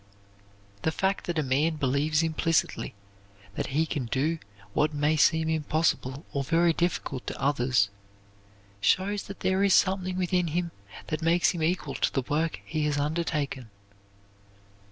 The fact that a man believes implicitly that he can do what may seem impossible or very difficult to others, shows that there is something within him that makes him equal to the work he has undertaken.